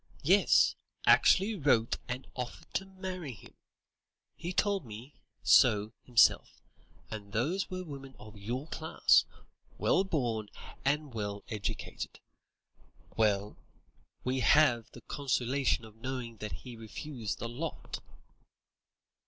Yes, actually wrote and offered to marry him! He told me so himself, and those were women of your class, well born and well educated. Well, we have the consolation of knowing that he refused the lot."